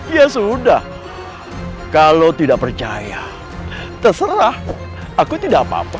ya sudah kalau tidak percaya terserah aku tidak apa apa